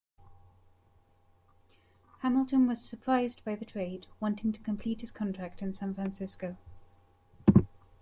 Hamilton was surprised by the trade, wanting to complete his contract in San Francisco.